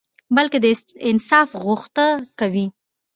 بلکي د انصاف غوښته کوي